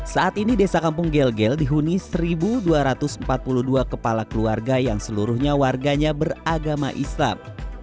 saat ini desa kampung gel gel dihuni satu dua ratus empat puluh dua kepala keluarga yang seluruhnya warganya beragama islam